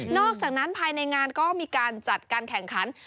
อกจากนั้นภายในงานก็มีการจัดการแข่งขัน